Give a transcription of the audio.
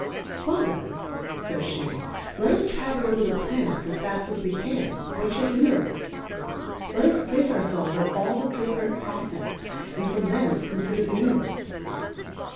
Well then, fays /;<?, let us travel over the Planets as fafl as we can; what fliould hinder us? Let us place our felves at all the diffe rent Profpects, and from thence confi der the Univerfe.